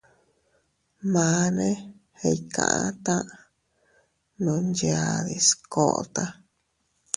Mane iʼkata nunyadis kota.